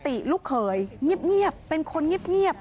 ปี๖๕วันเกิดปี๖๔ไปร่วมงานเช่นเดียวกัน